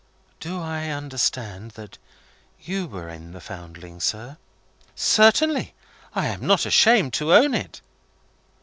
"Do I understand that you were in the Foundling, sir?" "Certainly. I am not ashamed to own it."